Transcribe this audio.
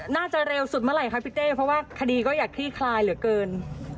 น่าจะเร็วสุดเมื่อไหร่คะพี่เต้เพราะว่าคดีก็อยากคลี่คลายเหลือเกิน